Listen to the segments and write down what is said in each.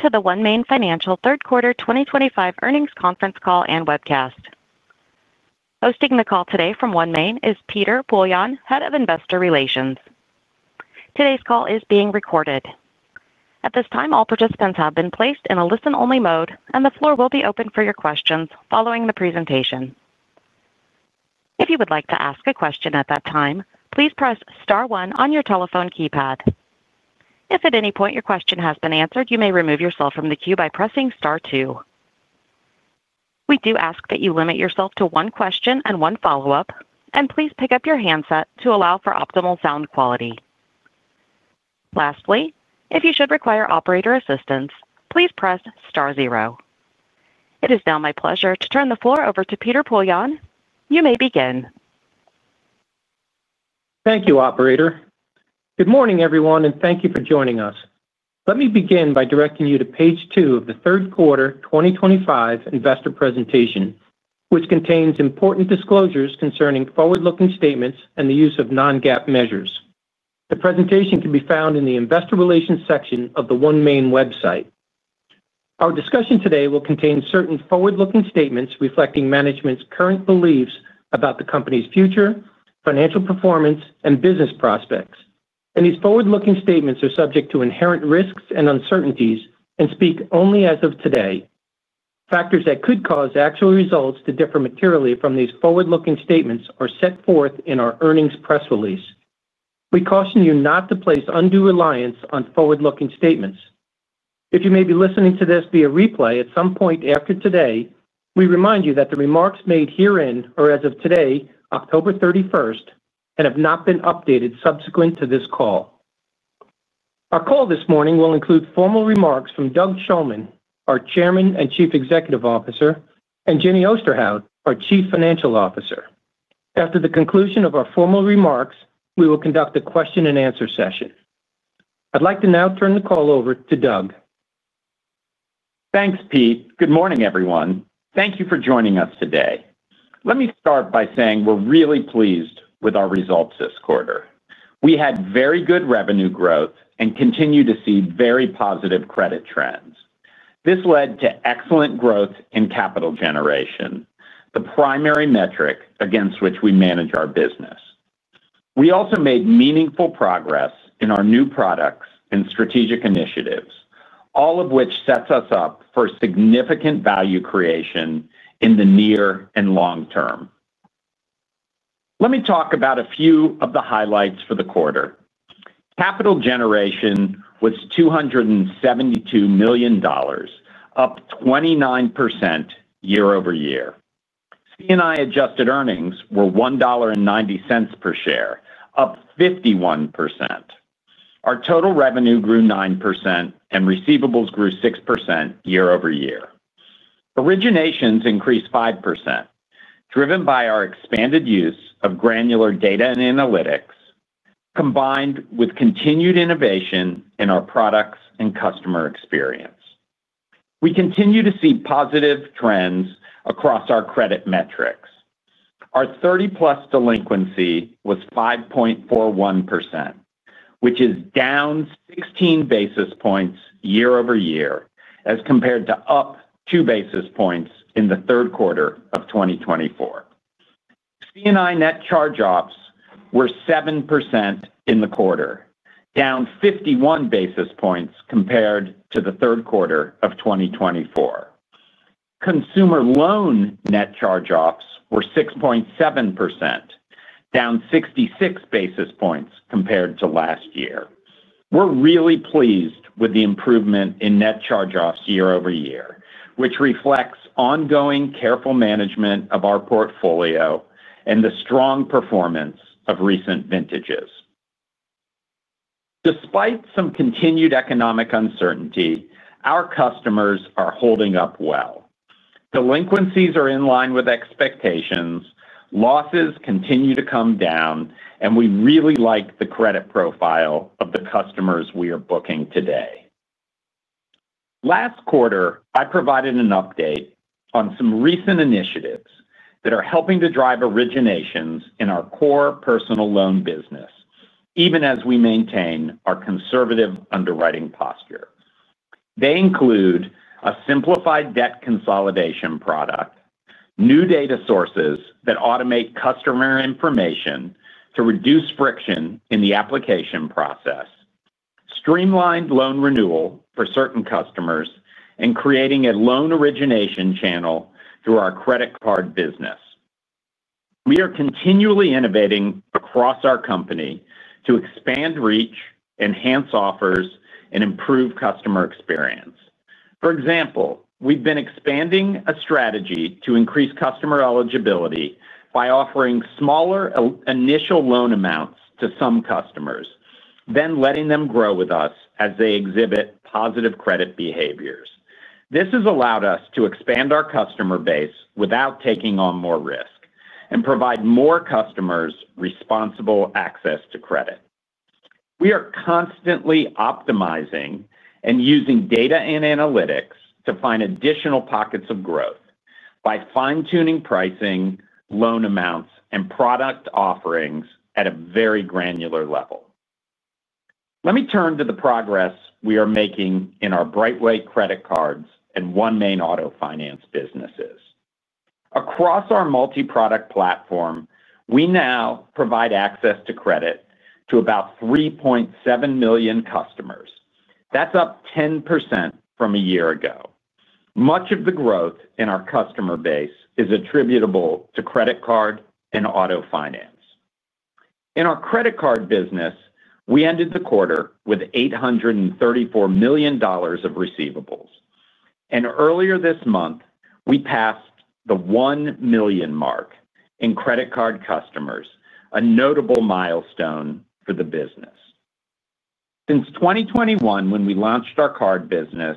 To the OneMain Financial Q3 2025 earnings conference call and webcast. Hosting the call today from OneMain is Peter Poillon, Head of Investor Relations. Today's call is being recorded. At this time, all participants have been placed in a listen-only mode, and the floor will be open for your questions following the presentation. If you would like to ask a question at that time, please press star one on your telephone keypad. If at any point your question has been answered, you may remove yourself from the queue by pressing star two. We do ask that you limit yourself to one question and one follow-up, and please pick up your handset to allow for optimal sound quality. Lastly, if you should require operator assistance, please press star zero. It is now my pleasure to turn the floor over to Peter Poillon. You may begin. Thank you, Operator. Good morning, everyone, and thank you for joining us. Let me begin by directing you to Page two of the Q3 2025 investor presentation, which contains important disclosures concerning forward-looking statements and the use of non-GAAP measures. The presentation can be found in the Investor Relations section of the OneMain website. Our discussion today will contain certain forward-looking statements reflecting management's current beliefs about the company's future, financial performance, and business prospects. These forward-looking statements are subject to inherent risks and uncertainties and speak only as of today. Factors that could cause actual results to differ materially from these forward-looking statements are set forth in our earnings press release. We caution you not to place undue reliance on forward-looking statements. If you may be listening to this via replay at some point after today, we remind you that the remarks made herein are as of today, October 31, and have not been updated subsequent to this call. Our call this morning will include formal remarks from Doug Shulman, our Chairman and Chief Executive Officer, and Jenny Osterhout, our Chief Financial Officer. After the conclusion of our formal remarks, we will conduct a question-and-answer session. I'd like to now turn the call over to Doug. Thanks, Pete. Good morning, everyone. Thank you for joining us today. Let me start by saying we're really pleased with our results this quarter. We had very good revenue growth and continue to see very positive credit trends. This led to excellent growth in capital generation, the primary metric against which we manage our business. We also made meaningful progress in our new products and strategic initiatives, all of which sets us up for significant value creation in the near and long term. Let me talk about a few of the highlights for the quarter. Capital generation was $272 million, up 29% year-over-year. C&I adjusted earnings were $1.90 per share, up 51%. Our total revenue grew 9%, and receivables grew 6% year-over-year. Originations increased 5%, driven by our expanded use of granular data and analytics, combined with continued innovation in our products and customer experience. We continue to see positive trends across our credit metrics. Our 30+ day delinquency was 5.41%, which is down 16 basis points year-over-year as compared to up 2 basis points in Q3 of 2024. C&I net charge-offs were 7% in the quarter, down 51 basis points compared to Q3 of 2024. Consumer loan net charge-offs were 6.7%, down 66 basis points compared to last year. We're really pleased with the improvement in net charge-offs year-over-year, which reflects ongoing careful management of our portfolio and the strong performance of recent vintages. Despite some continued economic uncertainty, our customers are holding up well. Delinquencies are in line with expectations. Losses continue to come down, and we really like the credit profile of the customers we are booking today. Last quarter, I provided an update on some recent initiatives that are helping to drive originations in our core personal loan business, even as we maintain our conservative underwriting posture. They include a simplified debt consolidation product, new data sources that automate customer information to reduce friction in the application process, streamlined loan renewals for certain customers, and creating a loan origination channel through our credit card business. We are continually innovating across our company to expand reach, enhance offers, and improve customer experience. For example, we've been expanding a strategy to increase customer eligibility by offering smaller initial loan amounts to some customers, then letting them grow with us as they exhibit positive credit behaviors. This has allowed us to expand our customer base without taking on more risk and provide more customers responsible access to credit. We are constantly optimizing and using data and analytics to find additional pockets of growth by fine-tuning pricing, loan amounts, and product offerings at a very granular level. Let me turn to the progress we are making in our Brightway credit cards and OneMain Auto Finance businesses. Across our multi-product platform, we now provide access to credit to about 3.7 million customers. That's up 10% from a year ago. Much of the growth in our customer base is attributable to credit card and auto finance. In our credit card business, we ended the quarter with $834 million of receivables. Earlier this month, we passed the one million mark in credit card customers, a notable milestone for the business. Since 2021, when we launched our card business,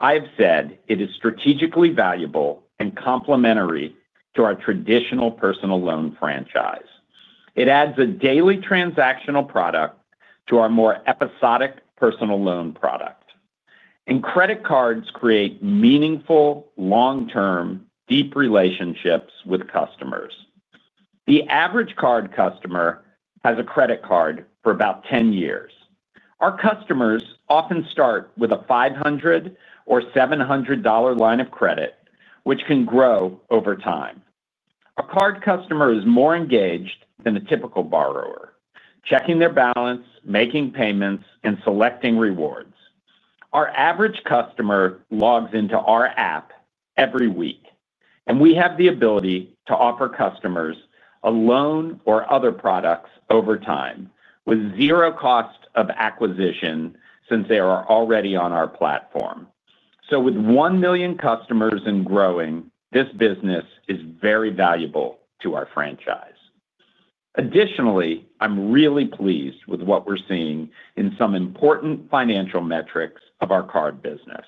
I have said it is strategically valuable and complementary to our traditional personal loan franchise. It adds a daily transactional product to our more episodic personal loan product. Credit cards create meaningful, long-term, deep relationships with customers. The average card customer has a credit card for about 10 years. Our customers often start with a $500 or $700 line of credit, which can grow over time. A card customer is more engaged than a typical borrower, checking their balance, making payments, and selecting rewards. Our average customer logs into our app every week, and we have the ability to offer customers a loan or other products over time with zero cost of acquisition since they are already on our platform. With 1 million customers and growing, this business is very valuable to our franchise. Additionally, I'm really pleased with what we're seeing in some important financial metrics of our card business.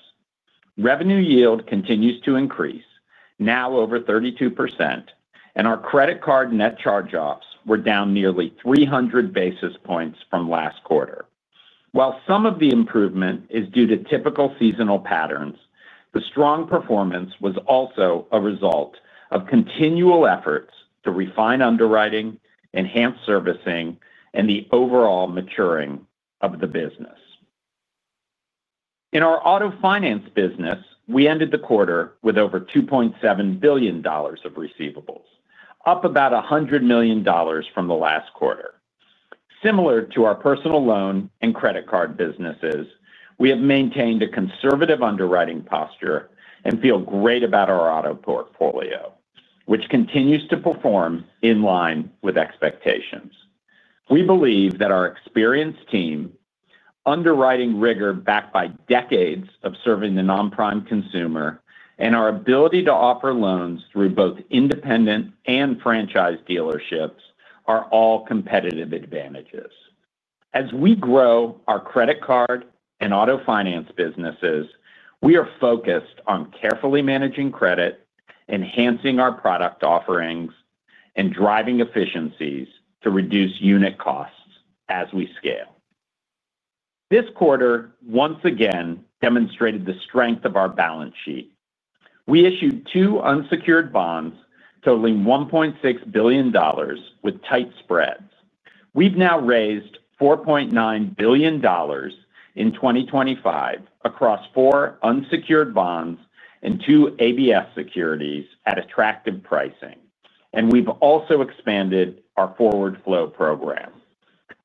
Revenue yield continues to increase, now over 32%, and our credit card net charge-offs were down nearly 300 basis points from last quarter. While some of the improvement is due to typical seasonal patterns, the strong performance was also a result of continual efforts to refine underwriting, enhance servicing, and the overall maturing of the business. In our auto finance business, we ended the quarter with over $2.7 billion of receivables, up about $100 million from the last quarter. Similar to our personal loan and credit card businesses, we have maintained a conservative underwriting posture and feel great about our auto portfolio, which continues to perform in line with expectations. We believe that our experienced team, underwriting rigor backed by decades of serving the non-prime consumer, and our ability to offer loans through both independent and franchise dealerships are all competitive advantages. As we grow our credit card and auto finance businesses, we are focused on carefully managing credit, enhancing our product offerings, and driving efficiencies to reduce unit costs as we scale. This quarter once again demonstrated the strength of our balance sheet. We issued two unsecured bonds totaling $1.6 billion with tight spreads. We've now raised $4.9 billion in 2025 across four unsecured bonds and two ABS securities at attractive pricing. We have also expanded our forward flow program.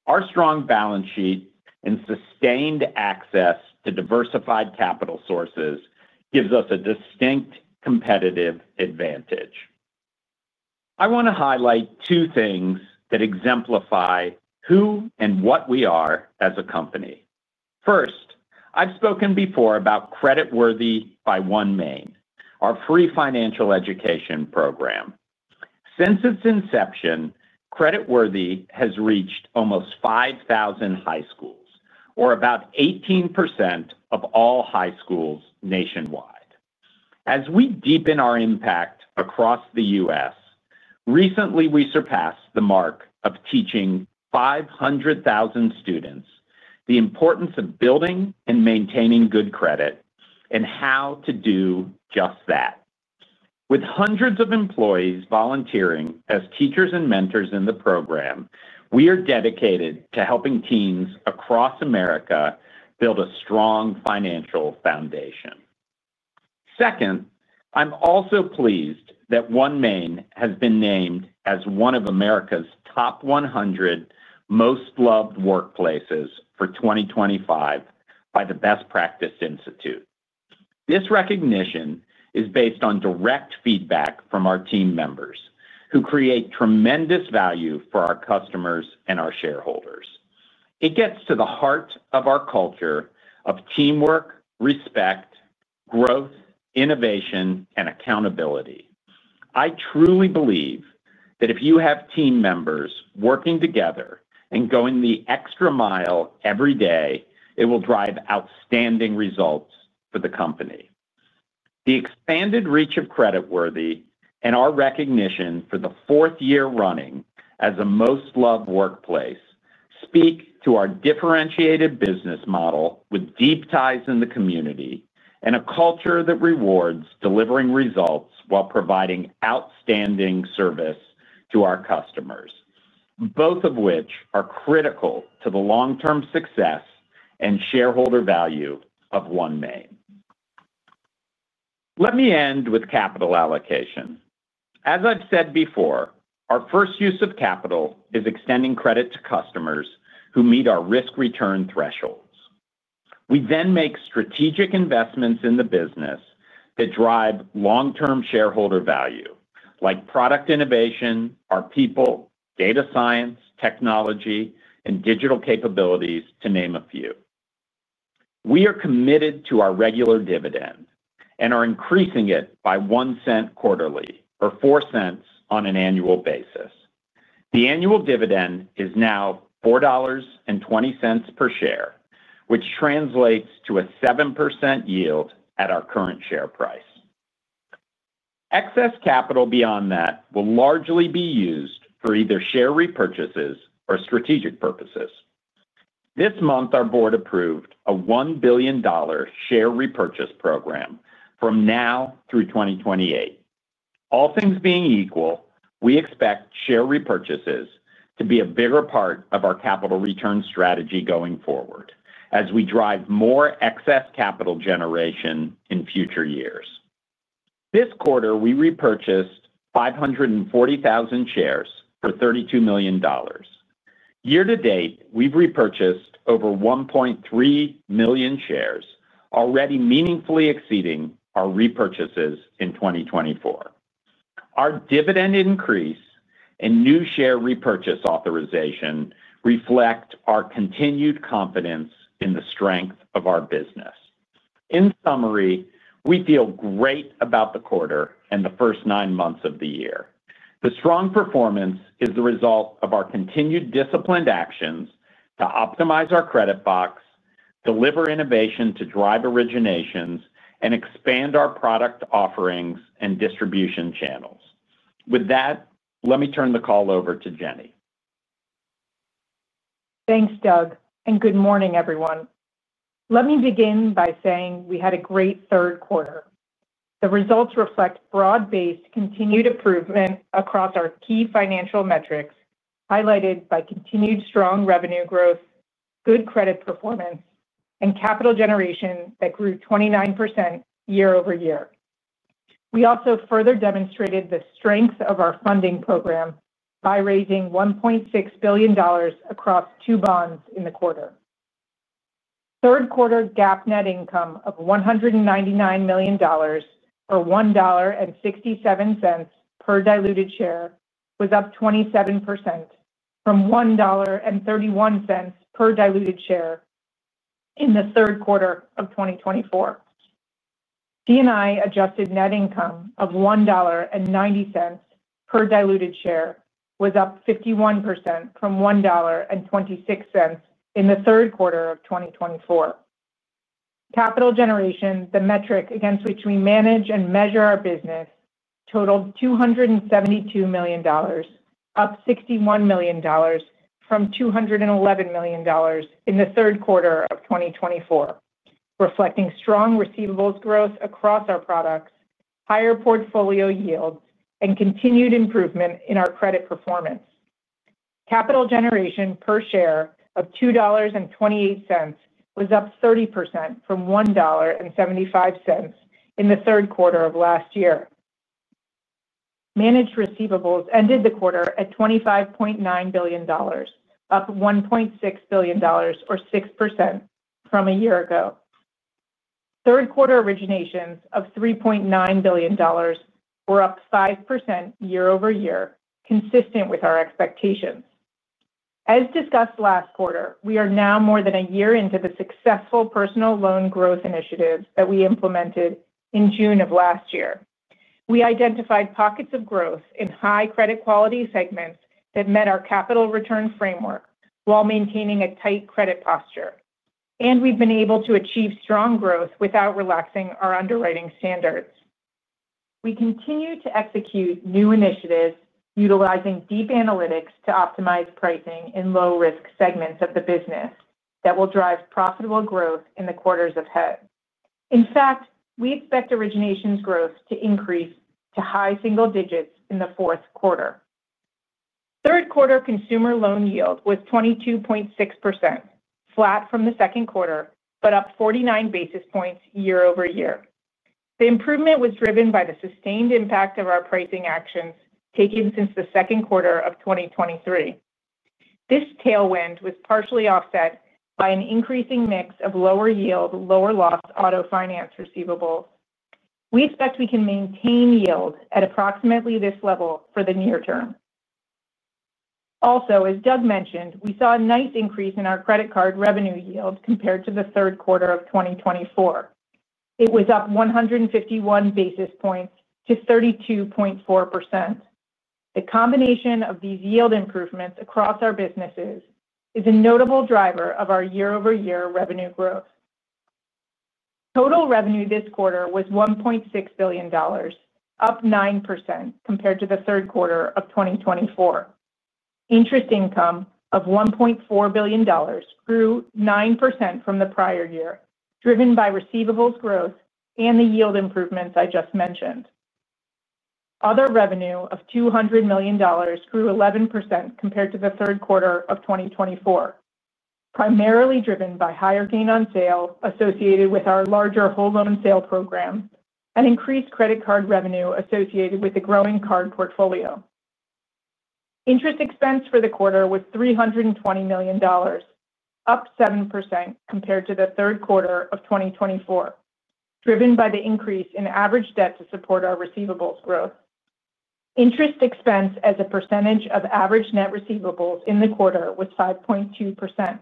Our strong balance sheet and sustained access to diversified capital sources gives us a distinct competitive advantage. I want to highlight two things that exemplify who and what we are as a company. First, I've spoken before about Credit Worthy by OneMain, our free financial education program. Since its inception, Credit Worthy has reached almost 5,000 high schools, or about 18% of all high schools nationwide. As we deepen our impact across the U.S., recently we surpassed the mark of teaching 500,000 students the importance of building and maintaining good credit and how to do just that. With hundreds of employees volunteering as teachers and mentors in the program, we are dedicated to helping teens across America build a strong financial foundation. Second, I'm also pleased that OneMain has been named as one of America's top 100 most loved workplaces for 2025 by the Best Practice Institute. This recognition is based on direct feedback from our team members who create tremendous value for our customers and our shareholders. It gets to the heart of our culture of teamwork, respect, growth, innovation, and accountability. I truly believe that if you have team members working together and going the extra mile every day, it will drive outstanding results for the company. The expanded reach of Credit Worthy by OneMain and our recognition for the fourth year running as a most loved workplace speak to our differentiated business model with deep ties in the community and a culture that rewards delivering results while providing outstanding service to our customers, both of which are critical to the long-term success and shareholder value of OneMain Holdings Inc. Let me end with capital allocation. As I've said before, our first use of capital is extending credit to customers who meet our risk return thresholds. We then make strategic investments in the business that drive long-term shareholder value, like product innovation, our people, data science, technology, and digital capabilities, to name a few. We are committed to our regular dividend and are increasing it by $0.01 quarterly or $0.04 on an annual basis. The annual dividend is now $4.20 per share, which translates to a 7% yield at our current share price. Excess capital beyond that will largely be used for either share repurchases or strategic purposes. This month, our board approved a $1 billion share repurchase program from now through 2028. All things being equal, we expect share repurchases to be a bigger part of our capital return strategy going forward as we drive more excess capital generation in future years. This quarter, we repurchased 540,000 shares for $32 million. Year to date, we've repurchased over 1.3 million shares, already meaningfully exceeding our repurchases in 2024.Our dividend increase and new share repurchase authorization reflect our continued confidence in the strength of our business. In summary, we feel great about the quarter and the first nine months of the year. The strong performance is the result of our continued disciplined actions to optimize our credit box, deliver innovation to drive originations, and expand our product offerings and distribution channels. With that, let me turn the call over to Jenny. Thanks, Doug. And good morning, everyone. Let me begin by saying we had a great third quarter. The results reflect broad-based continued improvement across our key financial metrics highlighted by continued strong revenue growth, good credit performance, and capital generation that grew 29% year-over-year. We also further demonstrated the strength of our funding program by raising $1.6 billion across two bonds in the quarter. Third quarter GAAP net income of $199 million, or $1.67 per diluted share, was up 27% from $1.31 per diluted share. In the third quarter of 2024, C&I adjusted net income of $1.90 per diluted share was up 51% from $1.26 in the third quarter of 2023. Capital generation, the metric against which we manage and measure our business, totaled $272 million, up $61 million from $211 million in the third quarter of 2023, reflecting strong receivables growth across our products, higher portfolio yields, and continued improvement in our credit performance. Capital generation per share of $2.28 was up 30% from $1.75 in the third quarter of last year. Managed receivables ended the quarter at $25.9 billion, up $1.6 billion, or 6% from a year ago. Third quarter originations of $3.9 billion were up 5% year-over-year, consistent with our expectations. As discussed last quarter, we are now more than a year into the successful personal loan growth initiatives that we implemented in June of last year. We identified pockets of growth in high credit quality segments that met our capital return framework while maintaining a tight credit posture. We have been able to achieve strong growth without relaxing our underwriting standards. We continue to execute new initiatives utilizing deep analytics to optimize pricing in low-risk segments of the business that will drive profitable growth in the quarters ahead. In fact, we expect originations growth to increase to high single digits in the fourth quarter. Third quarter consumer loan yield was 22.6%, flat from the second quarter, but up 49 basis points year-over-year. The improvement was driven by the sustained impact of our pricing actions taken since the second quarter of 2023. This tailwind was partially offset by an increasing mix of lower yield, lower loss auto finance receivables. We expect we can maintain yield at approximately this level for the near term. Also, as Doug Shulman mentioned, we saw a nice increase in our credit card revenue yield compared to the third quarter of 2023. It was up 151 basis points to 32.4%. The combination of these yield improvements across our businesses is a notable driver of our year-over-year revenue growth. Total revenue this quarter was $1.6 billion, up 9% compared to the third quarter of 2023. Interest income of $1.4 billion grew 9% from the prior year, driven by receivables growth and the yield improvements I just mentioned. Other revenue of $200 million grew 11% compared to the third quarter of 2023. Primarily driven by higher gain on sale associated with our larger whole loan sale program and increased credit card revenue associated with the growing card portfolio. Interest expense for the quarter was $320 million, up 7% compared to the third quarter of 2024, driven by the increase in average debt to support our receivables growth. Interest expense as a percentage of average net receivables in the quarter was 5.2%,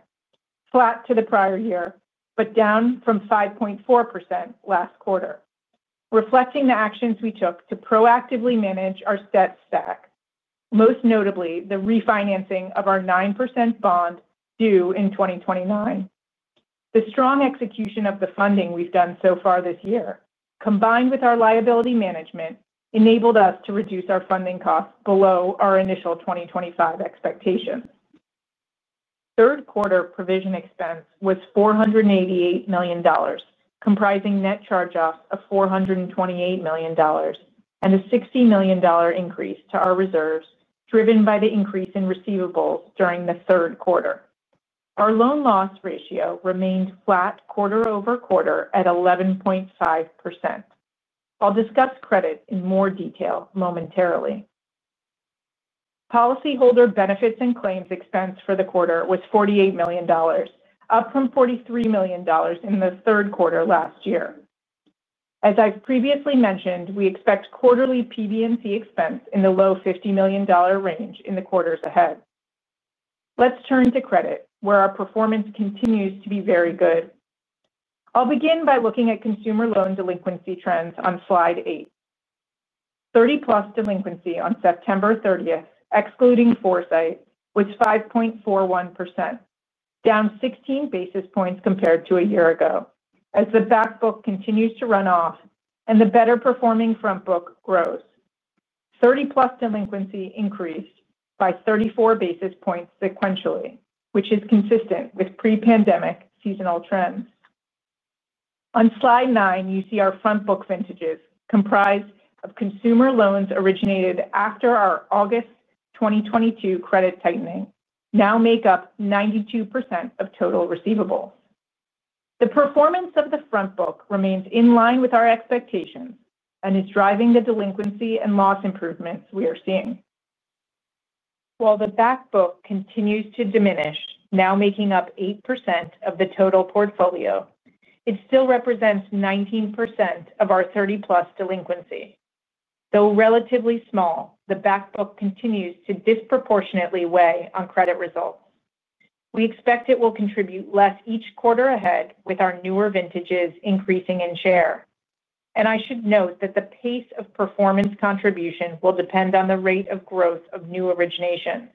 flat to the prior year, but down from 5.4% last quarter, reflecting the actions we took to proactively manage our debt stack, most notably the refinancing of our 9% bond due in 2029. The strong execution of the funding we've done so far this year, combined with our liability management, enabled us to reduce our funding costs below our initial 2025 expectations. Third quarter provision expense was $488 million, comprising net charge-offs of $428 million and a $60 million increase to our reserves, driven by the increase in receivables during the third quarter. Our loan loss ratio remained flat quarter-over-quarter at 11.5%. I'll discuss credit in more detail momentarily. Policyholder benefits and claims expense for the quarter was $48 million, up from $43 million in the third quarter last year. As I've previously mentioned, we expect quarterly PB&C expense in the low $50 million range in the quarters ahead. Let's turn to credit, where our performance continues to be very good. I'll begin by looking at consumer loan delinquency trends on Slide eight. 30+ delinquencies on September 30, excluding foresight, was 5.41%, down 16 basis points compared to a year ago, as the backbook continues to run off and the better-performing frontbook grows. 30+ delinquencies increased by 34 basis points sequentially, which is consistent with pre-pandemic seasonal trends. On Slide nine, you see our frontbook vintages, comprised of consumer loans originated after our August 2022 credit tightening, now make up 92% of total receivables. The performance of the frontbook remains in line with our expectations and is driving the delinquency and loss improvements we are seeing. While the backbook continues to diminish, now making up 8% of the total portfolio, it still represents 19% of our 30+ delinquencies. Though relatively small, the backbook continues to disproportionately weigh on credit results. We expect it will contribute less each quarter ahead with our newer vintages increasing in share. I should note that the pace of performance contribution will depend on the rate of growth of new originations,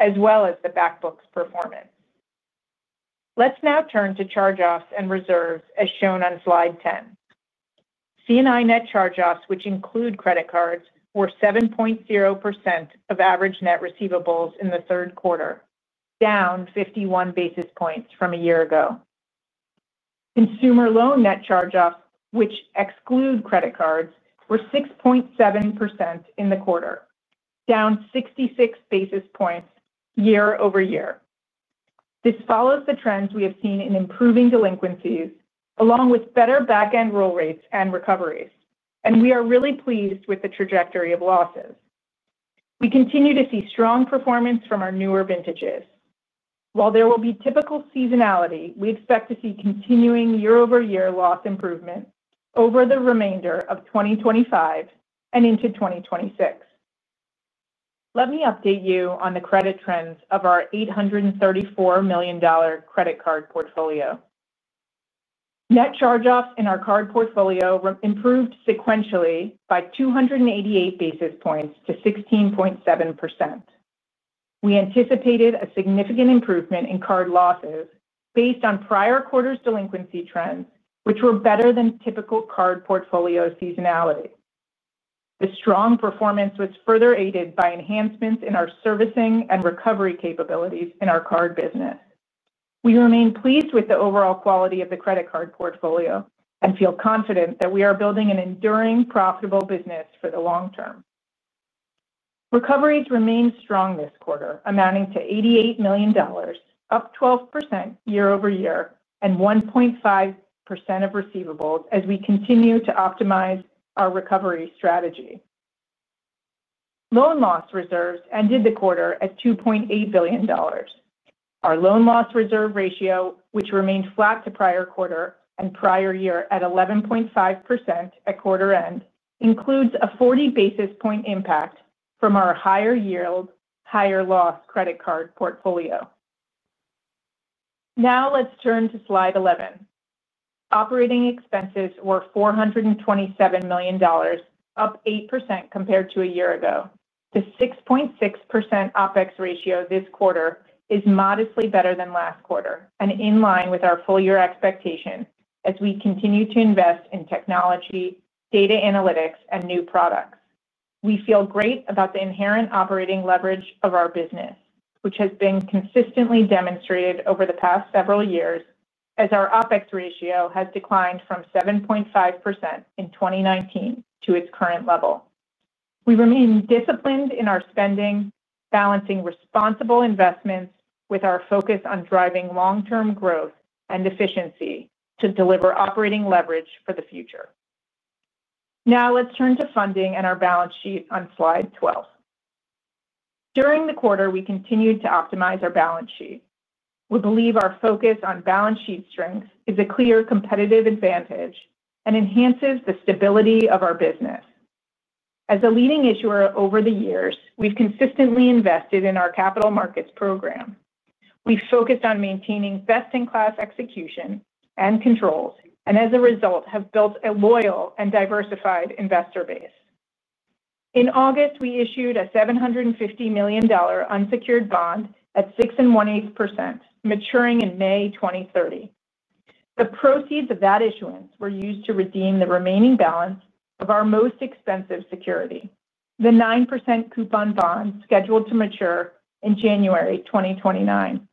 as well as the backbook's performance. Let's now turn to charge-offs and reserves, as shown on Slide 10. C&I net charge-offs, which include credit cards, were 7.0% of average net receivables in the third quarter, down 51 basis points from a year ago. Consumer loan net charge-offs, which exclude credit cards, were 6.7% in the quarter, down 66 basis points year-over-year. This follows the trends we have seen in improving delinquencies, along with better backend roll rates and recoveries. We are really pleased with the trajectory of losses. We continue to see strong performance from our newer vintages. While there will be typical seasonality, we expect to see continuing year-over-year loss improvement over the remainder of 2025 and into 2026. Let me update you on the credit trends of our $834 million credit card portfolio. Net charge-offs in our card portfolio improved sequentially by 288 basis points to 16.7%. We anticipated a significant improvement in card losses based on prior quarter's delinquency trends, which were better than typical card portfolio seasonality. The strong performance was further aided by enhancements in our servicing and recovery capabilities in our card business. We remain pleased with the overall quality of the credit card portfolio and feel confident that we are building an enduring, profitable business for the long term. Recoveries remain strong this quarter, amounting to $88 million, up 12% year-over-year, and 1.5% of receivables as we continue to optimize our recovery strategy. Loan loss reserves ended the quarter at $2.8 billion. Our loan loss reserve ratio, which remained flat to prior quarter and prior year at 11.5% at quarter end, includes a 40 basis point impact from our higher yield, higher loss credit card portfolio. Now let's turn to Slide 11. Operating expenses were $427 million, up 8% compared to a year ago. The 6.6% OpEx ratio this quarter is modestly better than last quarter and in line with our full-year expectation as we continue to invest in technology, data analytics, and new products. We feel great about the inherent operating leverage of our business, which has been consistently demonstrated over the past several years as our OpEx ratio has declined from 7.5% in 2019 to its current level. We remain disciplined in our spending, balancing responsible investments with our focus on driving long-term growth and efficiency to deliver operating leverage for the future. Now let's turn to funding and our balance sheet on Slide 12. During the quarter, we continued to optimize our balance sheet. We believe our focus on balance sheet strength is a clear competitive advantage and enhances the stability of our business. As a leading issuer over the years, we've consistently invested in our capital markets program. We've focused on maintaining best-in-class execution and controls, and as a result, have built a loyal and diversified investor base. In August, we issued a $750 million unsecured bond at 6.18%, maturing in May 2030. The proceeds of that issuance were used to redeem the remaining balance of our most expensive security, the 9% coupon bond scheduled to mature in January 2029.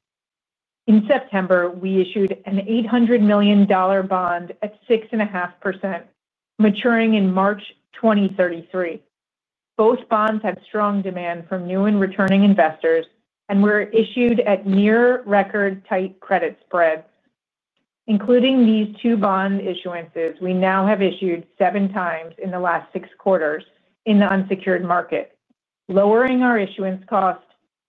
In September, we issued an $800 million bond at 6.5%, maturing in March 2033. Both bonds had strong demand from new and returning investors and were issued at near-record-tight credit spreads. Including these two bond issuances, we now have issued seven times in the last six quarters in the unsecured market, lowering our issuance cost,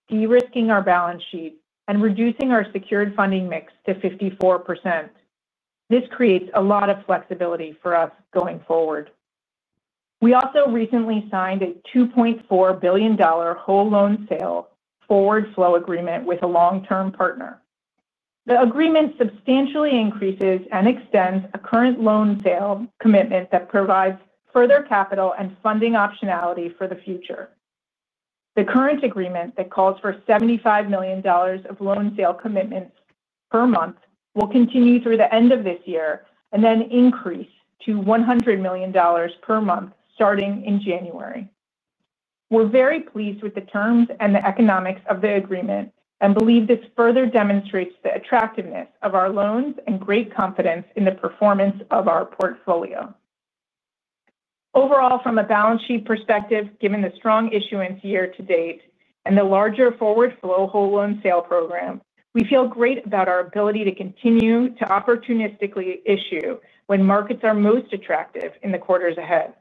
de-risking our balance sheet, and reducing our secured funding mix to 54%. This creates a lot of flexibility for us going forward. We also recently signed a $2.4 billion whole loan sale forward flow agreement with a long-term partner. The agreement substantially increases and extends a current loan sale commitment that provides further capital and funding optionality for the future. The current agreement that calls for $75 million of loan sale commitments per month will continue through the end of this year and then increase to $100 million per month starting in January. We're very pleased with the terms and the economics of the agreement and believe this further demonstrates the attractiveness of our loans and great confidence in the performance of our portfolio. Overall, from a balance sheet perspective, given the strong issuance year to date and the larger forward flow whole loan sale program, we feel great about our ability to continue to opportunistically issue when markets are most attractive in the quarters ahead.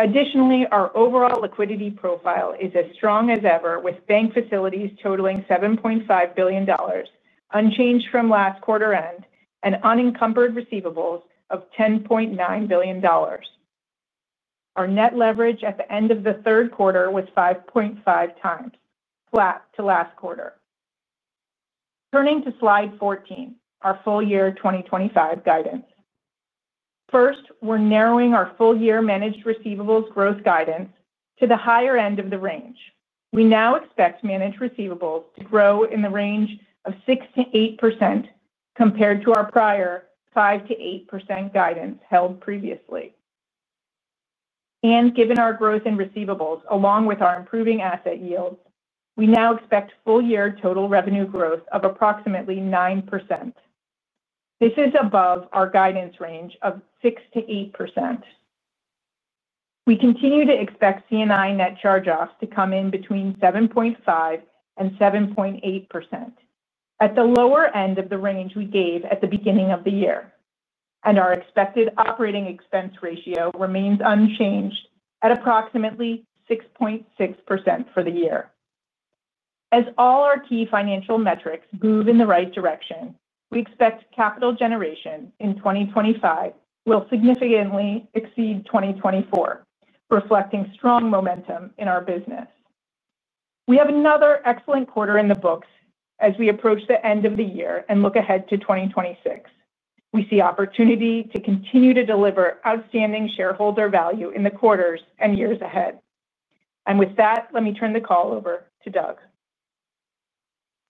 Additionally, our overall liquidity profile is as strong as ever, with bank facilities totaling $7.5 billion, unchanged from last quarter end, and unencumbered receivables of $10.9 billion. Our net leverage at the end of the third quarter was 5.5 times, flat to last quarter. Turning to Slide 14, our full-year 2025 guidance. First, we're narrowing our full-year managed receivables growth guidance to the higher end of the range. We now expect managed receivables to grow in the range of 6% to 8% compared to our prior 5% to 8% guidance held previously. Given our growth in receivables, along with our improving asset yields, we now expect full-year total revenue growth of approximately 9%. This is above our guidance range of 6% to 8%. We continue to expect C&I net charge-offs to come in between 7.5% and 7.8%, at the lower end of the range we gave at the beginning of the year. Our expected operating expense ratio remains unchanged at approximately 6.6% for the year. As all our key financial metrics move in the right direction, we expect capital generation in 2025 will significantly exceed 2024, reflecting strong momentum in our business. We have another excellent quarter in the books as we approach the end of the year and look ahead to 2026. We see opportunity to continue to deliver outstanding shareholder value in the quarters and years ahead. With that, let me turn the call over to Doug.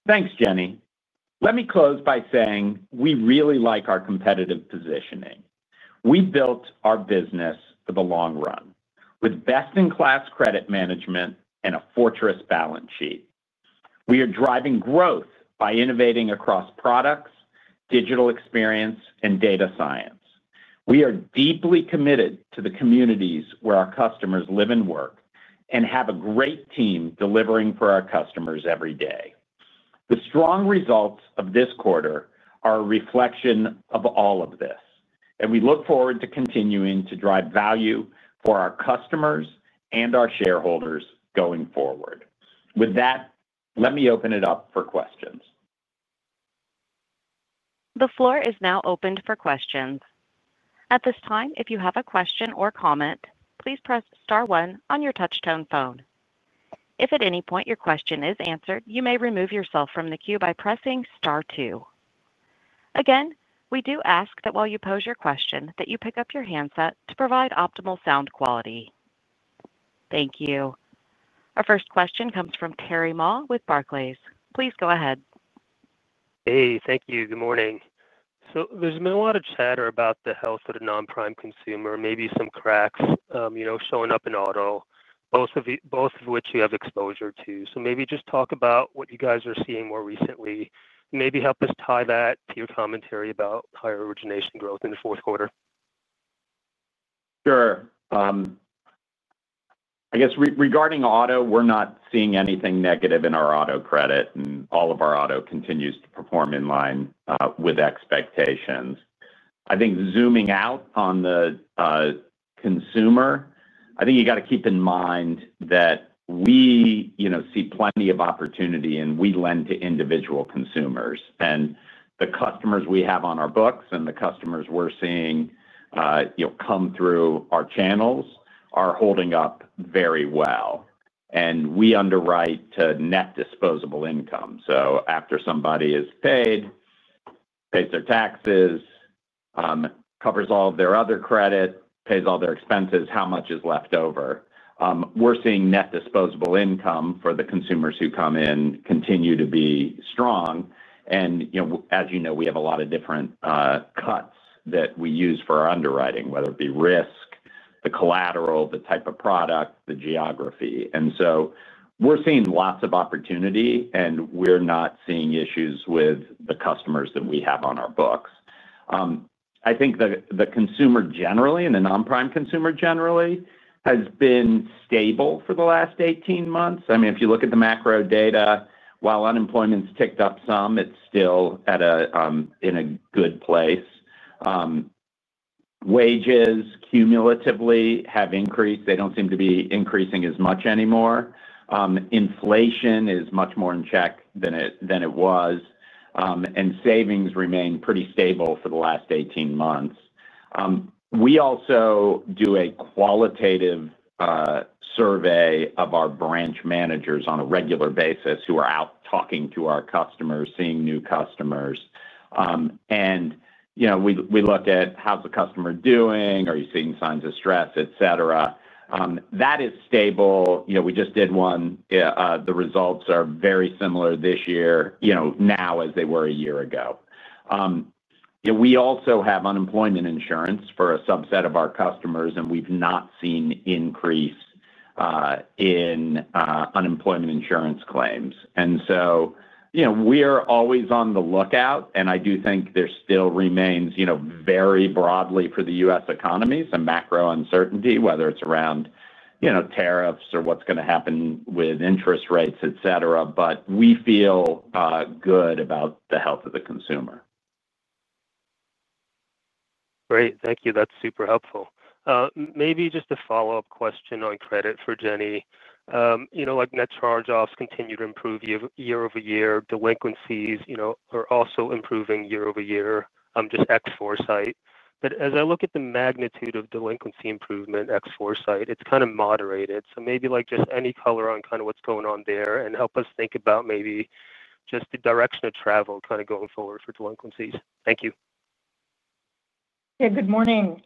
Thanks, Jenny. Let me close by saying we really like our competitive positioning. We built our business for the long run with best-in-class credit management and a fortress balance sheet. We are driving growth by innovating across products, digital experience, and data science. We are deeply committed to the communities where our customers live and work and have a great team delivering for our customers every day. The strong results of this quarter are a reflection of all of this, and we look forward to continuing to drive value for our customers and our shareholders going forward. With that, let me open it up for questions. The floor is now open for questions. At this time, if you have a question or comment, please press star one on your touchtone phone. If at any point your question is answered, you may remove yourself from the queue by pressing star two. Again, we do ask that while you pose your question, that you pick up your handset to provide optimal sound quality. Thank you. Our first question comes from Terry Ma with Barclays. Please go ahead. Hey, thank you. Good morning. There's been a lot of chatter about the health of the non-prime consumer, maybe some cracks showing up in auto, both of which you have exposure to. Maybe just talk about what you guys are seeing more recently and help us tie that to your commentary about higher origination growth in the fourth quarter. Sure. I guess regarding auto, we're not seeing anything negative in our auto credit, and all of our auto continues to perform in line with expectations. I think zooming out on the consumer, you got to keep in mind that we see plenty of opportunity, and we lend to individual consumers. The customers we have on our books and the customers we're seeing come through our channels are holding up very well. We underwrite to net disposable income, so after somebody is paid, pays their taxes, covers all of their other credit, pays all their expenses, how much is left over. We're seeing net disposable income for the consumers who come in continue to be strong. As you know, we have a lot of different cuts that we use for our underwriting, whether it be risk, the collateral, the type of product, the geography. We're seeing lots of opportunity, and we're not seeing issues with the customers that we have on our books. I think the consumer generally, and the non-prime consumer generally, has been stable for the last 18 months. If you look at the macro data, while unemployment's ticked up some, it's still in a good place. Wages cumulatively have increased. They don't seem to be increasing as much anymore. Inflation is much more in check than it was, and savings remain pretty stable for the last 18 months. We also do a qualitative survey of our branch managers on a regular basis who are out talking to our customers, seeing new customers. We look at how's the customer doing, are you seeing signs of stress, etc. That is stable. We just did one. The results are very similar this year now as they were a year ago. We also have unemployment insurance for a subset of our customers, and we've not seen an increase in unemployment insurance claims. We are always on the lookout, and I do think there still remains very broadly for the U.S. economy some macro uncertainty, whether it's around tariffs or what's going to happen with interest rates, etc. We feel good about the health of the consumer. Great. Thank you. That's super helpful. Maybe just a follow-up question on credit for Jenny. Net charge-offs continue to improve year-over-year. Delinquencies are also improving year-over-year, just ex force. As I look at the magnitude of delinquency improvement ex force, it's kind of moderated. Maybe just any color on what's going on there and help us think about the direction of travel going forward for delinquencies. Thank you. Good morning.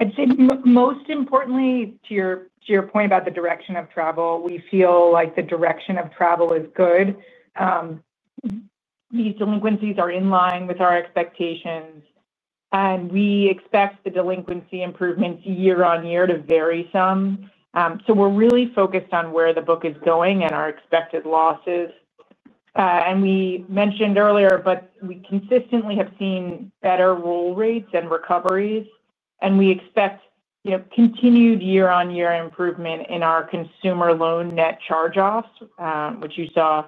I'd say most importantly, to your point about the direction of travel, we feel like the direction of travel is good. These delinquencies are in line with our expectations. We expect the delinquency improvements year on year to vary some. We're really focused on where the book is going and our expected losses. We mentioned earlier, we consistently have seen better roll rates and recoveries. We expect continued year-on-year improvement in our consumer loan net charge-offs, which you saw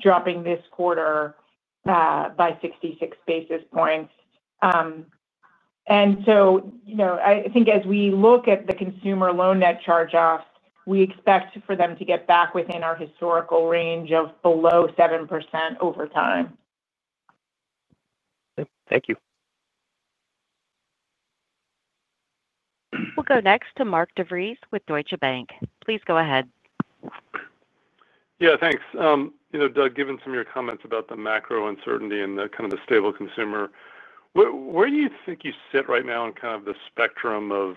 dropping this quarter by 66 basis points. I think as we look at the consumer loan net charge-offs, we expect for them to get back within our historical range of below 7% over time. Thank you. We'll go next to Mark DeVries with Deutsche Bank. Please go ahead. Thanks. Doug, given some of your comments about the macro uncertainty and the stable consumer, where do you think you sit right now in the spectrum of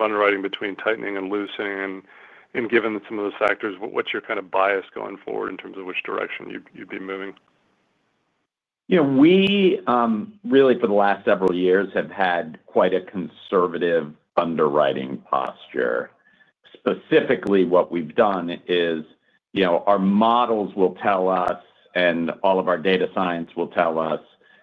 underwriting between tightening and loosening? Given some of those factors, what's your bias going forward in terms of which direction you'd be moving? We really, for the last several years, have had quite a conservative underwriting posture. Specifically, what we've done is our models will tell us, and all of our data science will tell us,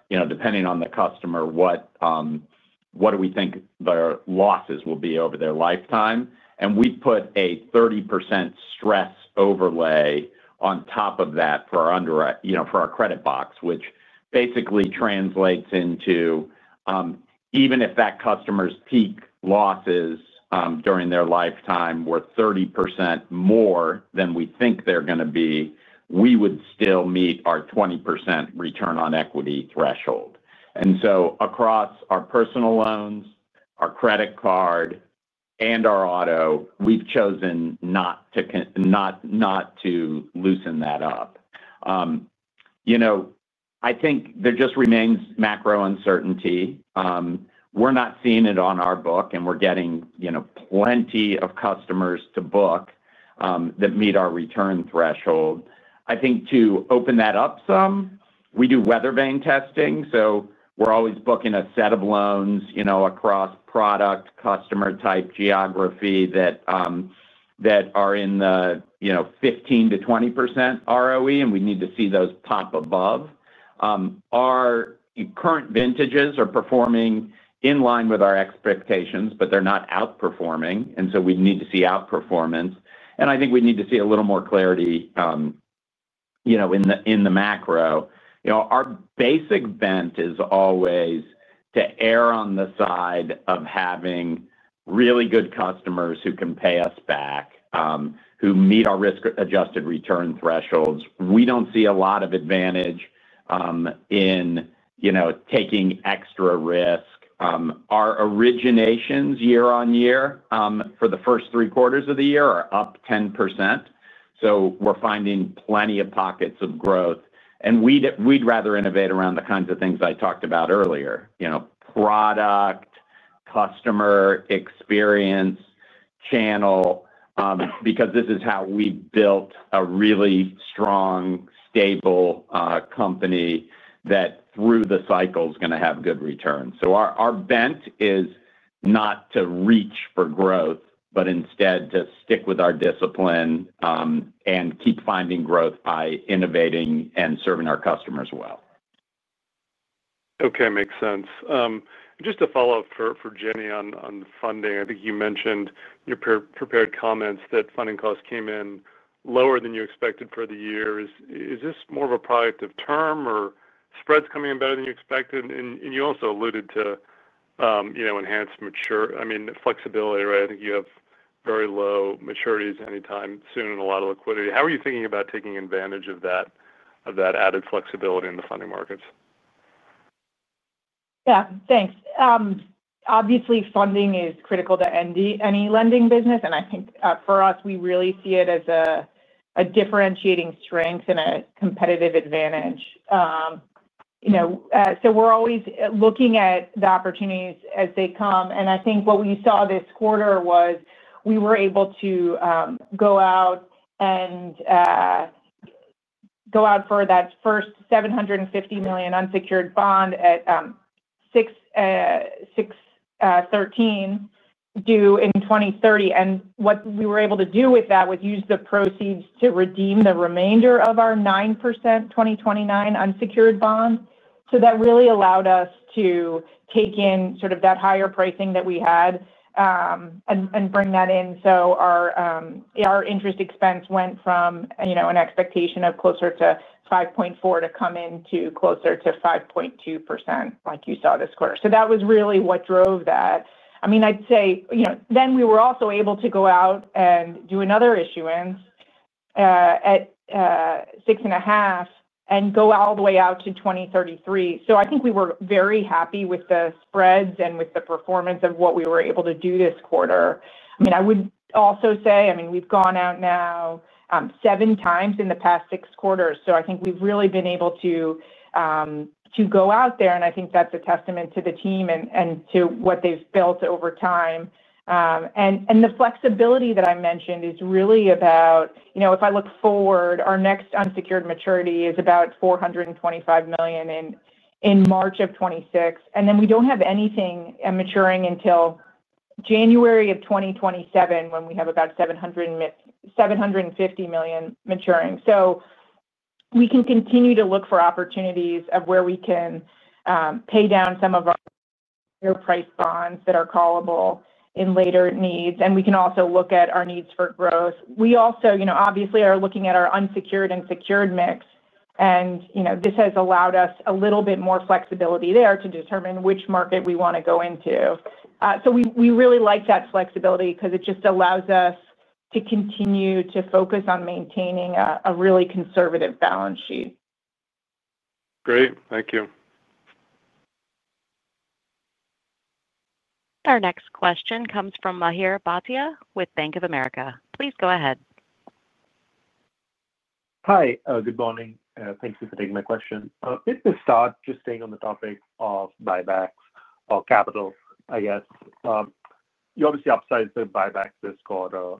depending on the customer, what do we think their losses will be over their lifetime. We put a 30% stress overlay on top of that for our credit box, which basically translates into even if that customer's peak losses during their lifetime were 30% more than we think they're going to be, we would still meet our 20% return on equity threshold. Across our personal loans, our credit card, and our auto, we've chosen not to loosen that up. There just remains macro uncertainty. We're not seeing it on our book, and we're getting plenty of customers to book that meet our return threshold. To open that up some, we do weather vane testing. We're always booking a set of loans across product, customer type, geography that are in the 15% to 20% ROE, and we need to see those pop above. Our current vintages are performing in line with our expectations, but they're not outperforming. We need to see outperformance. I think we need to see a little more clarity in the macro. Our basic bent is always to err on the side of having really good customers who can pay us back, who meet our risk-adjusted return thresholds. We don't see a lot of advantage in taking extra risk. Our originations year on year for the first three quarters of the year are up 10%. We're finding plenty of pockets of growth. We'd rather innovate around the kinds of things I talked about earlier: product, customer experience, channel, because this is how we built a really strong, stable company that, through the cycles, is going to have good returns. Our bent is not to reach for growth, but instead to stick with our discipline and keep finding growth by innovating and serving our customers well. Okay. Makes sense. Just to follow up for Jenny on funding, I think you mentioned in your prepared comments that funding costs came in lower than you expected for the year. Is this more of a productive term, or spreads coming in better than you expected? You also alluded to enhanced flexibility, right? I think you have very low maturities anytime soon and a lot of liquidity. How are you thinking about taking advantage of that added flexibility in the funding markets? Yeah. Thanks. Obviously, funding is critical to any lending business. I think for us, we really see it as a differentiating strength and a competitive advantage. We're always looking at the opportunities as they come. I think what we saw this quarter was we were able to go out and go out for that first $750 million unsecured bond at 6.13% due in 2030. What we were able to do with that was use the proceeds to redeem the remainder of our 9% 2029 unsecured bond. That really allowed us to take in sort of that higher pricing that we had and bring that in. Our interest expense went from an expectation of closer to 5.4% to come in to closer to 5.2%, like you saw this quarter. That was really what drove that. I'd say then we were also able to go out and do another issuance at 6.5% and go all the way out to 2033. I think we were very happy with the spreads and with the performance of what we were able to do this quarter. I would also say we've gone out now seven times in the past six quarters. I think we've really been able to. Go out there. I think that's a testament to the team and to what they've built over time. The flexibility that I mentioned is really about, if I look forward, our next unsecured maturity is about $425 million in March of 2026. We don't have anything maturing until January of 2027 when we have about $750 million maturing. We can continue to look for opportunities of where we can pay down some of our pre-bonds that are callable in later needs. We can also look at our needs for growth. We also, obviously, are looking at our unsecured and secured mix. This has allowed us a little bit more flexibility there to determine which market we want to go into. We really like that flexibility because it just allows us to continue to focus on maintaining a really conservative balance sheet. Great. Thank you. Our next question comes from Mihir Bhatia with Bank of America. Please go ahead. Hi. Good morning. Thank you for taking my question. If we start just staying on the topic of buybacks or capital, I guess you obviously upsized the buybacks this quarter.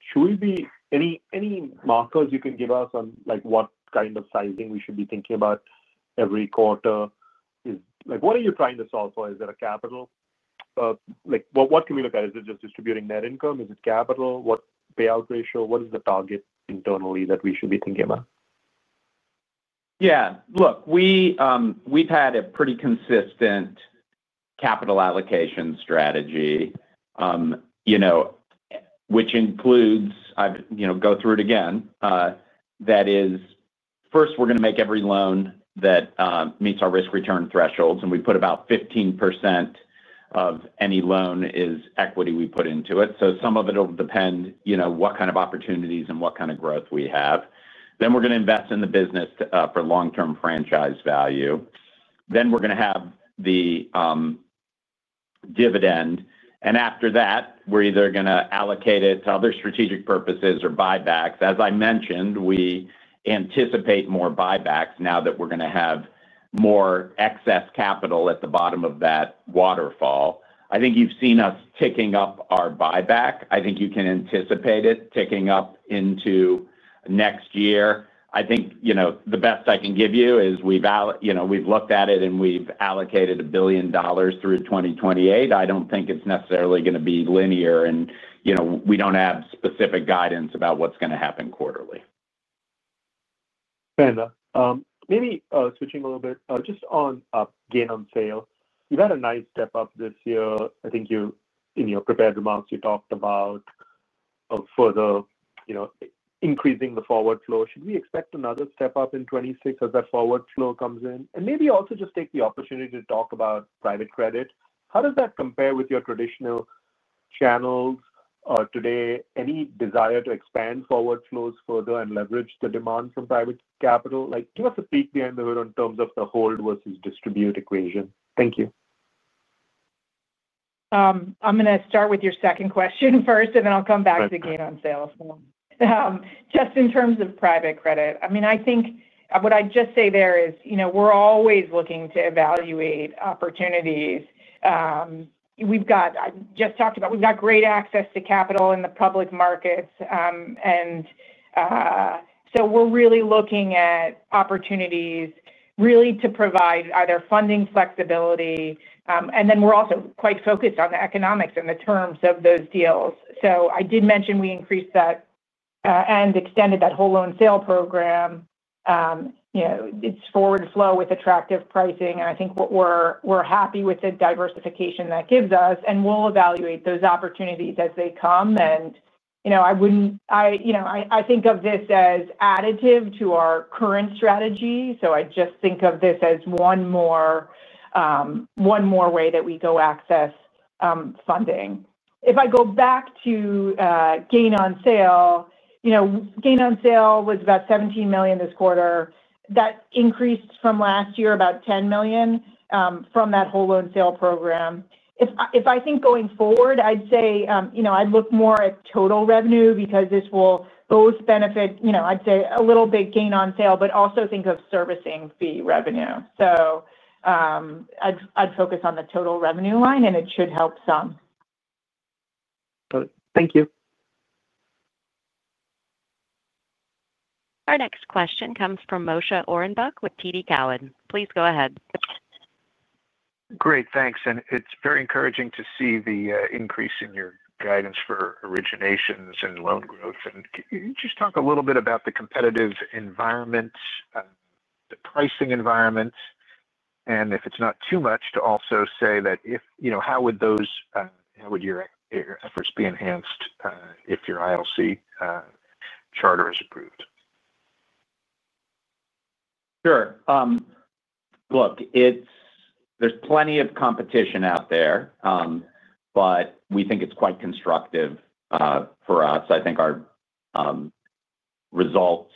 Should we be any markers you can give us on what kind of sizing we should be thinking about every quarter? What are you trying to solve for? Is it a capital? What can we look at? Is it just distributing net income? Is it capital? What payout ratio? What is the target internally that we should be thinking about? Yeah. Look, we've had a pretty consistent capital allocation strategy, which includes, I'll go through it again, that is, first, we're going to make every loan that meets our risk-return thresholds. We put about 15% of any loan as equity we put into it. Some of it will depend on what kind of opportunities and what kind of growth we have. We're going to invest in the business for long-term franchise value. We're going to have the dividend. After that, we're either going to allocate it to other strategic purposes or buybacks. As I mentioned, we anticipate more buybacks now that we're going to have more excess capital at the bottom of that waterfall. I think you've seen us ticking up our buyback. I think you can anticipate it ticking up into next year. I think the best I can give you is we've looked at it and we've allocated $1 billion through 2028. I don't think it's necessarily going to be linear. We don't have specific guidance about what's going to happen quarterly. Fantastic. Maybe switching a little bit, just on gain on sale, you've had a nice step up this year. I think in your prepared remarks, you talked about further increasing the forward flow. Should we expect another step up in 2026 as that forward flow comes in? Maybe also just take the opportunity to talk about private credit. How does that compare with your traditional channels today? Any desire to expand forward flows further and leverage the demand from private capital? Give us a peek behind the hood in terms of the hold versus distribute equation. Thank you. I'm going to start with your second question first, and then I'll come back to gain on sales more. Just in terms of private credit, I mean, I think what I'd just say there is we're always looking to evaluate opportunities. We've got—I just talked about—we've got great access to capital in the public markets. We're really looking at opportunities to provide either funding flexibility. We're also quite focused on the economics and the terms of those deals. I did mention we increased that and extended that whole loan sale program. It's forward flow with attractive pricing. I think we're happy with the diversification that gives us. We'll evaluate those opportunities as they come. I think of this as additive to our current strategy. I just think of this as one more way that we go access funding. If I go back to gain on sale, gain on sale was about $17 million this quarter. That increased from last year about $10 million from that whole loan sale program. If I think going forward, I'd say I'd look more at total revenue because this will both benefit—a little bit gain on sale—but also think of servicing fee revenue. I'd focus on the total revenue line, and it should help some. Got it. Thank you. Our next question comes from Moshe Orenbuch with TD Cowen. Please go ahead. Great. Thanks. It's very encouraging to see the increase in your guidance for originations and loan growth. Can you just talk a little bit about the competitive environment, the pricing environment? If it's not too much to also say that, how would your efforts be enhanced if your ILC charter is approved? Sure. Look, there's plenty of competition out there, but we think it's quite constructive for us. I think our results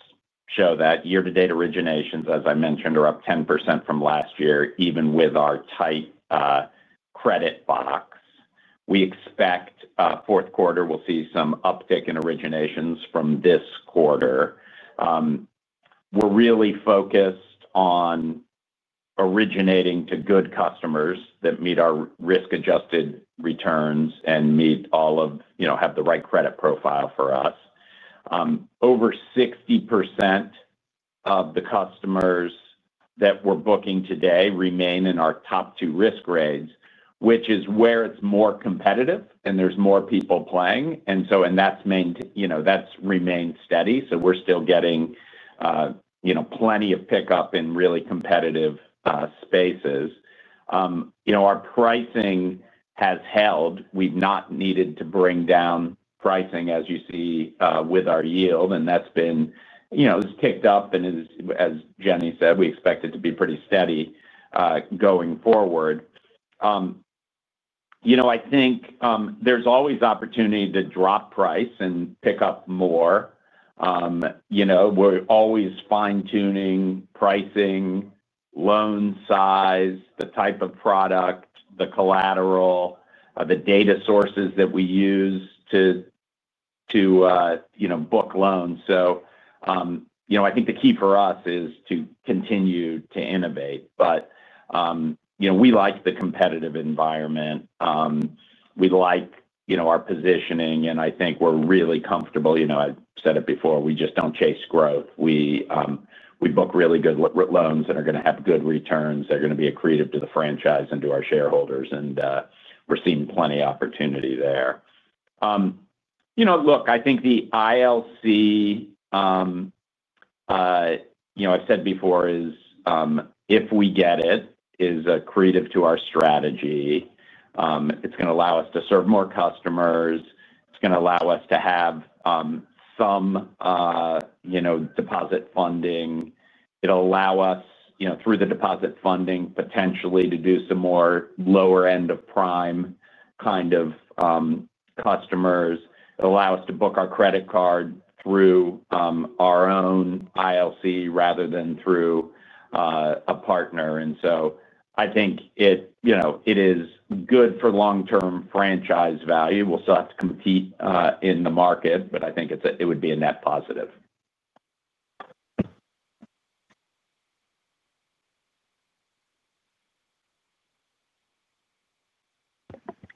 show that year-to-date originations, as I mentioned, are up 10% from last year, even with our tight credit box. We expect fourth quarter we'll see some uptick in originations from this quarter. We're really focused on originating to good customers that meet our risk-adjusted returns and meet all of—have the right credit profile for us. Over 60% of the customers that we're booking today remain in our top two risk grades, which is where it's more competitive and there's more people playing. That's remained steady. We're still getting plenty of pickup in really competitive spaces. Our pricing has held. We've not needed to bring down pricing, as you see, with our yield. That's been ticked up, and as Jenny said, we expect it to be pretty steady going forward. I think there's always opportunity to drop price and pick up more. We're always fine-tuning pricing, loan size, the type of product, the collateral, the data sources that we use to book loans. I think the key for us is to continue to innovate. We like the competitive environment. We like our positioning, and I think we're really comfortable. I've said it before. We just don't chase growth. We book really good loans that are going to have good returns. They're going to be accretive to the franchise and to our shareholders, and we're seeing plenty of opportunity there. Look, I think the ILC, I've said before, if we get it, is accretive to our strategy. It's going to allow us to serve more customers. It's going to allow us to have some deposit funding. It'll allow us, through the deposit funding, potentially to do some more lower-end-of-prime kind of customers. It'll allow us to book our credit card through our own ILC rather than through a partner. I think it is good for long-term franchise value. We'll still have to compete in the market, but I think it would be a net positive.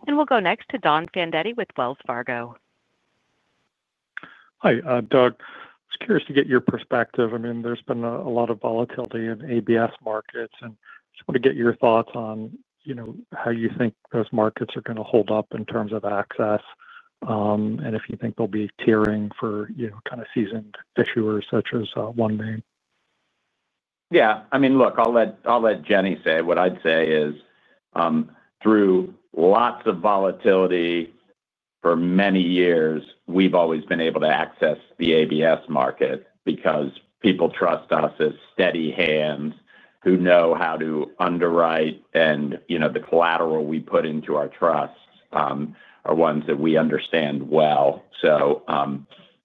We'll go next to Don Fandetti with Wells Fargo. Hi, Doug. I was curious to get your perspective. I mean, there's been a lot of volatility in ABS markets. I just want to get your thoughts on how you think those markets are going to hold up in terms of access, and if you think there'll be tiering for kind of seasoned issuers such as OneMain? Yeah. I mean, look, I'll let Jenny say. What I'd say is, through lots of volatility for many years, we've always been able to access the ABS market because people trust us as steady hands who know how to underwrite, and the collateral we put into our trusts are ones that we understand well.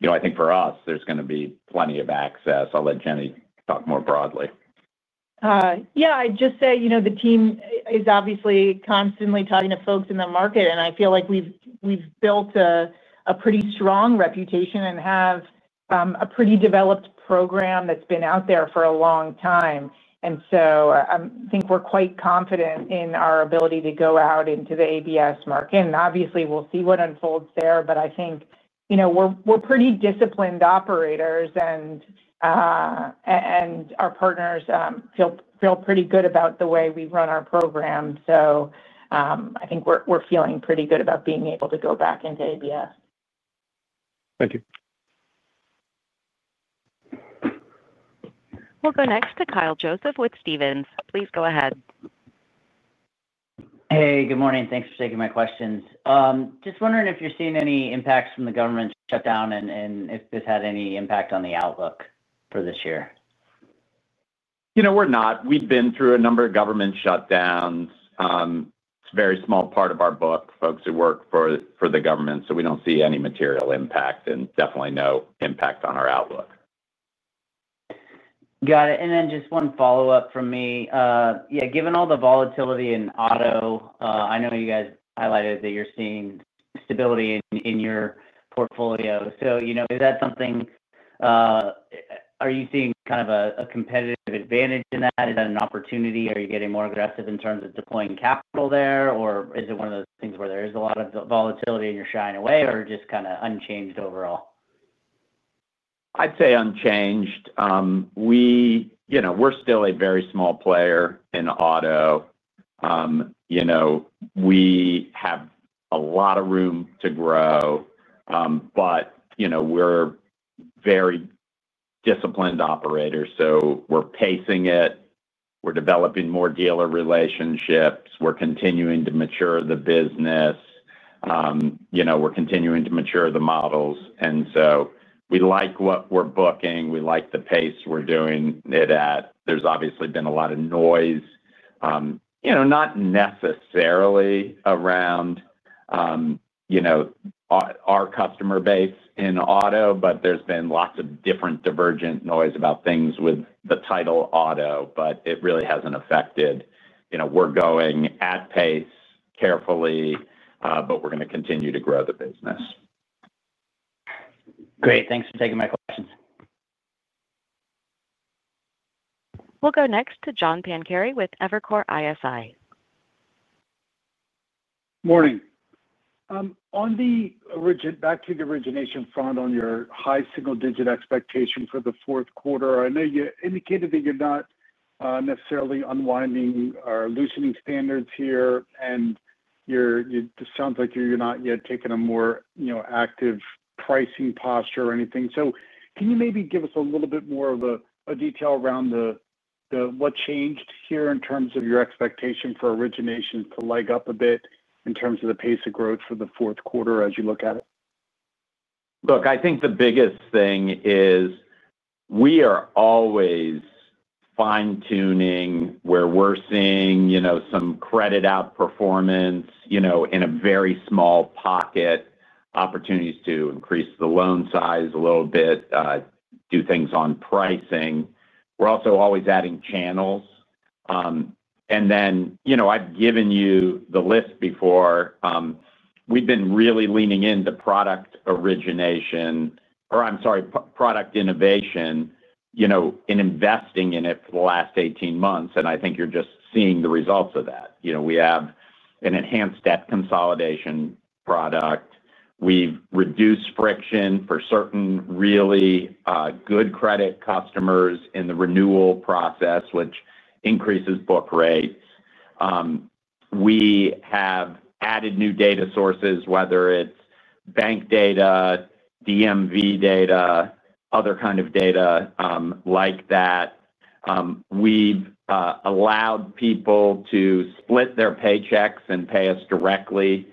I think for us, there's going to be plenty of access. I'll let Jenny talk more broadly. I'd just say the team is obviously constantly talking to folks in the market. I feel like we've built a pretty strong reputation and have a pretty developed program that's been out there for a long time. I think we're quite confident in our ability to go out into the ABS market. Obviously, we'll see what unfolds there. I think we're pretty disciplined operators. Our partners feel pretty good about the way we run our program. I think we're feeling pretty good about being able to go back into ABS. Thank you. We'll go next to Kyle Joseph with Stephens. Please go ahead. Hey, good morning. Thanks for taking my questions. Just wondering if you're seeing any impacts from the government shutdown and if this had any impact on the outlook for this year. We're not. We've been through a number of government shutdowns. It's a very small part of our book, folks who work for the government. We don't see any material impact and definitely no impact on our outlook. Got it. And then just one follow-up from me. Given all the volatility in auto, I know you guys highlighted that you're seeing stability in your portfolio. Is that something—are you seeing kind of a competitive advantage in that? Is that an opportunity? Are you getting more aggressive in terms of deploying capital there? Or is it one of those things where there is a lot of volatility and you're shying away or just kind of unchanged overall? I'd say unchanged. We're still a very small player in auto. We have a lot of room to grow. We're very disciplined operators. We're pacing it. We're developing more dealer relationships. We're continuing to mature the business. We're continuing to mature the models. We like what we're booking. We like the pace we're doing it at. There's obviously been a lot of noise, not necessarily around our customer base in auto, but there's been lots of different divergent noise about things with the title auto. It really hasn't affected us. We're going at pace carefully, but we're going to continue to grow the business. Great. Thanks for taking my questions. We'll go next to John Pancari with Evercore ISI. Morning. On the back to the origination front, on your high single-digit expectation for the fourth quarter, I know you indicated that you're not necessarily unwinding or loosening standards here. It just sounds like you're not yet taking a more active pricing posture or anything. Can you maybe give us a little bit more detail around what changed here in terms of your expectation for origination to leg up a bit in terms of the pace of growth for the fourth quarter as you look at it? I think the biggest thing is we are always fine-tuning where we're seeing some credit outperformance in a very small pocket, opportunities to increase the loan size a little bit, do things on pricing. We're also always adding channels. I've given you the list before. We've been really leaning into product innovation and investing in it for the last 18 months. I think you're just seeing the results of that. We have an enhanced debt consolidation product. We've reduced friction for certain really good credit customers in the renewal process, which increases book rates. We have added new data sources, whether it's bank data, DMV data, other kinds of data like that. We've allowed people to split their paychecks and pay us directly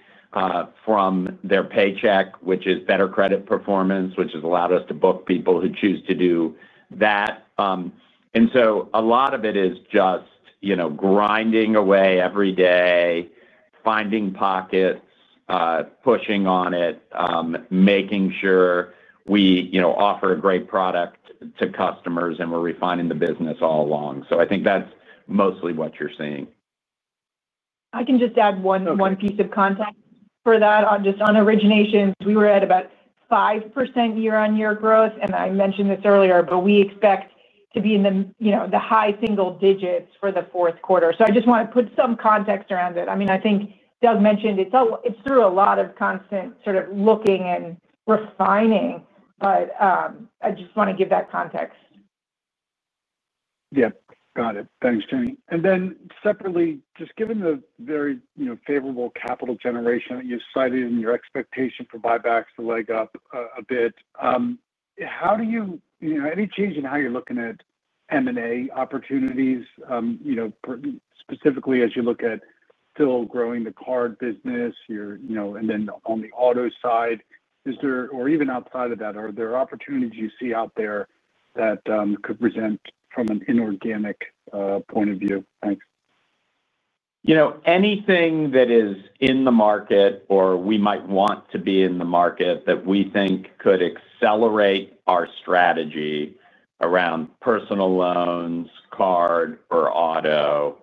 from their paycheck, which is better credit performance, which has allowed us to book people who choose to do that. A lot of it is just grinding away every day, finding pockets, pushing on it, making sure we offer a great product to customers, and we're refining the business all along. I think that's mostly what you're seeing. I can just add one piece of context for that. Just on originations, we were at about 5% year-on-year growth. I mentioned this earlier, but we expect to be in the high single digits for the fourth quarter. I just want to put some context around it. I think Doug mentioned it's through a lot of constant sort of looking and refining, but I just want to give that context. Got it. Thanks, Jenny. Separately, just given the very favorable capital generation that you've cited and your expectation for buybacks to leg up a bit, any change in how you're looking at M&A opportunities? Specifically, as you look at still growing the card business, and then on the auto side, or even outside of that, are there opportunities you see out there that could present from an inorganic point of view? Anything that is in the market or we might want to be in the market that we think could accelerate our strategy around personal loans, card, or auto,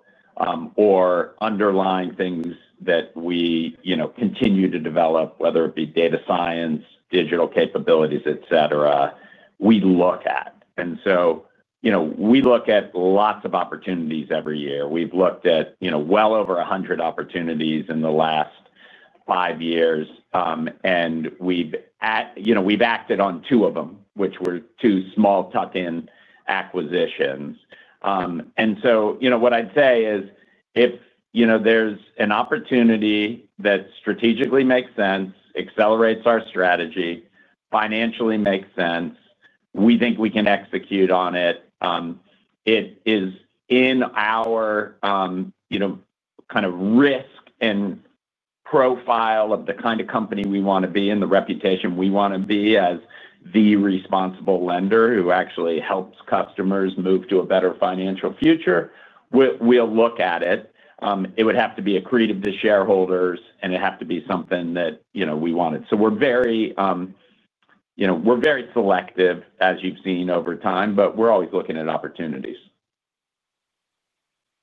or underlying things that we continue to develop, whether it be data science, digital capabilities, etc., we look at. We look at lots of opportunities every year. We've looked at well over 100 opportunities in the last five years and we've acted on two of them, which were two small tuck-in acquisitions. If there's an opportunity that strategically makes sense, accelerates our strategy, financially makes sense, and we think we can execute on it, it is in our kind of risk and profile of the kind of company we want to be in, the reputation we want to be as the responsible lender who actually helps customers move to a better financial future, we'll look at it. It would have to be accretive to shareholders, and it'd have to be something that we wanted. We're very selective, as you've seen over time, but we're always looking at opportunities.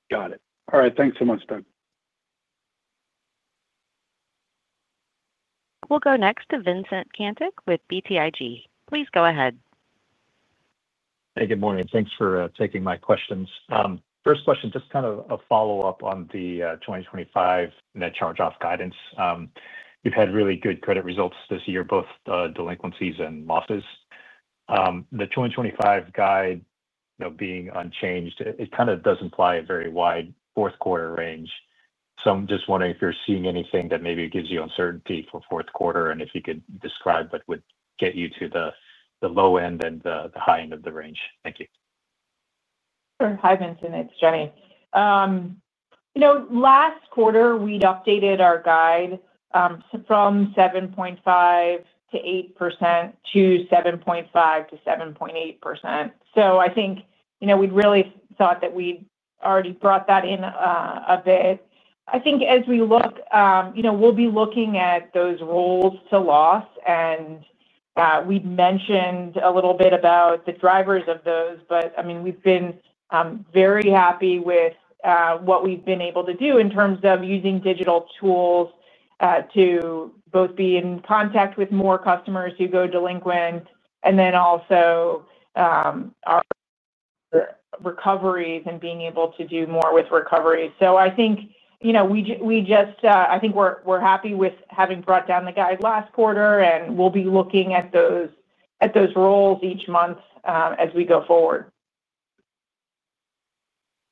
Got it. All right. Thanks so much, Doug. We'll go next to Vincent Caintic with BTIG. Please go ahead. Hey, good morning. Thanks for taking my questions. First question, just kind of a follow-up on the 2025 net charge-off guidance. You've had really good credit results this year, both delinquencies and losses. The 2025 guide, being unchanged, kind of does imply a very wide fourth-quarter range. I'm just wondering if you're seeing anything that maybe gives you uncertainty for fourth quarter and if you could describe what would get you to the low end and the high end of the range. Thank you. Sure. Hi, Vincent. It's Jenny. Last quarter, we updated our guide from 7.5% to 8% to 7.5% to 7.8%. I think we'd really thought that we'd already brought that in a bit. As we look, we'll be looking at those rolls to loss. We've mentioned a little bit about the drivers of those. We've been very happy with what we've been able to do in terms of using digital tools to both be in contact with more customers who go delinquent and then also recoveries and being able to do more with recoveries. I think we're happy with having brought down the guide last quarter and we'll be looking at those rolls each month as we go forward.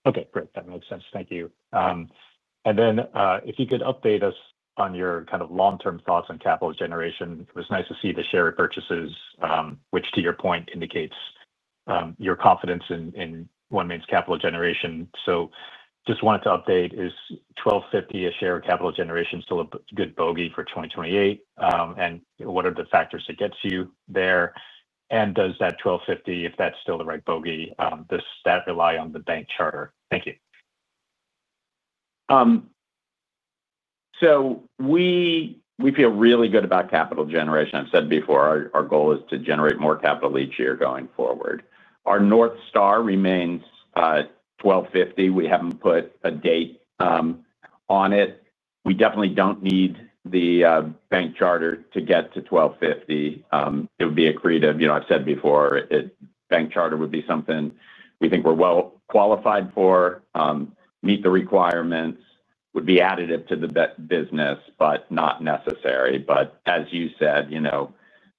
Okay. Great. That makes sense. Thank you. If you could update us on your kind of long-term thoughts on capital generation, it was nice to see the share repurchases, which to your point indicates your confidence in OneMain's capital generation. Just wanted to update, is $12.50 a share of capital generation still a good bogey for 2028? What are the factors that get you there? Does that $12.50, if that's still the right bogey, rely on the bank charter? Thank you. We feel really good about capital generation. I've said before, our goal is to generate more capital each year going forward. Our North Star remains $12.50. We haven't put a date on it. We definitely don't need the bank charter to get to $12.50. It would be accretive. I've said before, bank charter would be something we think we're well qualified for. Meet the requirements, would be additive to the business, but not necessary. As you said,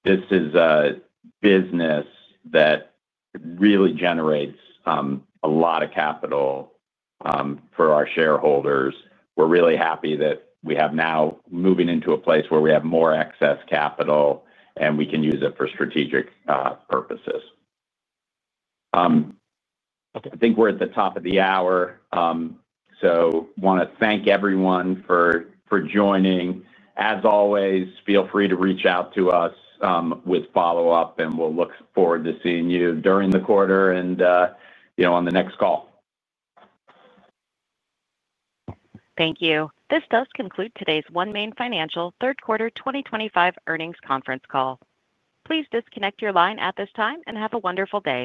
this is a business that really generates a lot of capital for our shareholders. We're really happy that we have now moved into a place where we have more excess capital and we can use it for strategic purposes. I think we're at the top of the hour. I want to thank everyone for joining. As always, feel free to reach out to us with follow-up, and we'll look forward to seeing you during the quarter and on the next call. Thank you. This does conclude today's OneMain Financial third quarter 2025 earnings conference call. Please disconnect your line at this time and have a wonderful day.